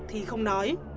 thì không nói